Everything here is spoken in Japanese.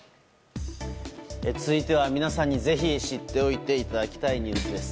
続いては、皆さんにぜひ知っておいていただきたいニュースです。